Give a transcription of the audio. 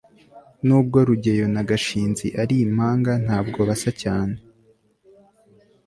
nubwo rugeyo na gashinzi ari impanga, ntabwo basa cyane